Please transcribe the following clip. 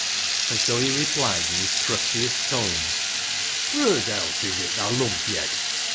And so he replied in his crustiest tones —" Whoas else is it, thaa lumpyed